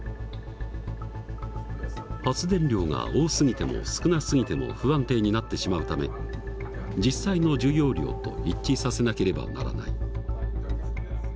発電量が多すぎても少なすぎても不安定になってしまうため実際の需要量と一致させなければならない。